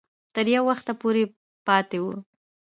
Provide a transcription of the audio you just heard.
تر یو وخته پورې پاته وو.